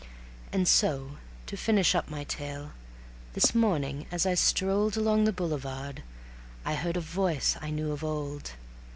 And so, to finish up my tale, this morning as I strolled Along the boulevard I heard a voice I knew of old.